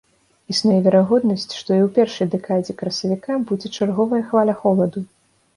Існуе верагоднасць, што і ў першай дэкадзе красавіка будзе чарговая хваля холаду.